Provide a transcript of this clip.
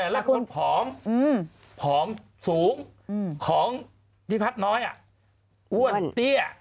แล้วคุณผอมผอมสูงของพี่พัฒน์น้อยอ้วนเตี้ย